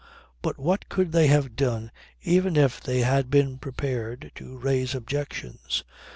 But what could they have done even if they had been prepared to raise objections.